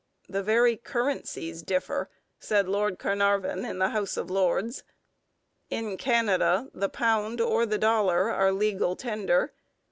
'The very currencies differ,' said Lord Carnarvon in the House of Lords. 'In Canada the pound or the dollar are legal tender.